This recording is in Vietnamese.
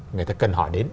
người ta cần hỏi đến